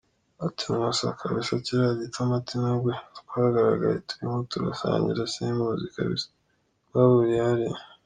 Ati umusa kabisa kiriya Gitomati n’ubwo twagaragaye turimo turasangira simuzi kabisa, twahuriye hariya.